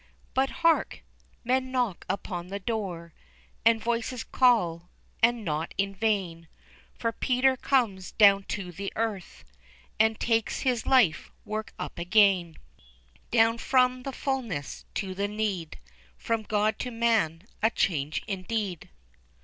But hark! men knock upon the door, And voices call, and not in vain, For Peter comes down to the earth, And takes his life work up again, Down from the fullness to the need, From God to man, a change indeed.